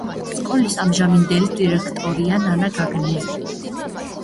სკოლის ამჟამინდელი დირექტორია ნანა გაგნიძე.